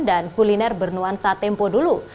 dan kuliner bernuansa tempo dulu